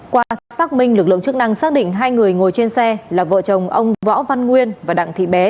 qua xác minh lực lượng chức năng xác định hai người ngồi trên xe là vợ chồng ông võ văn nguyên và đặng thị bé